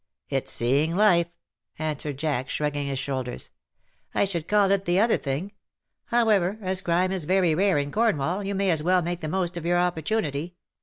" It^s seeing life/^ answered Jack_, shrugging his shoulders. " I should call it the other thing. However, as crime is very rare in Cornwall, you may as well make the most of your opportunity.